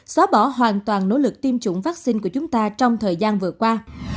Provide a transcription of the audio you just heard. xóa bỏ hoàn toàn nỗ lực tiêm chủng vaccine của chúng ta trong thời gian vừa qua